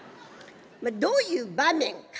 どういう場面か。